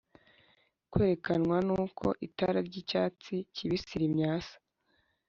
kwerekanwa n'uko itara ry'icyatsi kibisi rimyatsa.